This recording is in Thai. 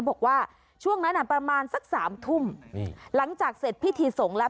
บอกว่าช่วงนั้นอ่ะประมาณสักสามทุ่มหลังจากเสร็จพิธีสงฆ์แล้ว